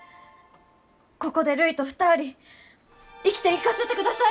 ここでるいと２人生きていかせてください！